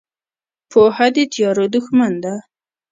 پوهه د تیارو دښمن ده.